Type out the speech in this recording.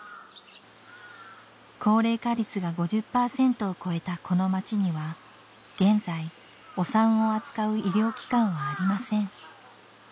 高齢化率が５０％を超えたこの町には現在お産を扱う医療機関はありません